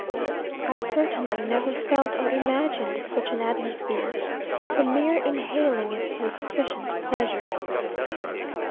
I certainly never felt or imagined such an atmosphere. The mere inhaling it was sufficient pleasure.